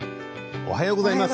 おはようございます。